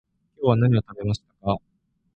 今日は何を食べましたか？